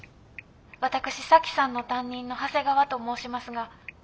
私咲妃さんの担任の長谷川と申しますが。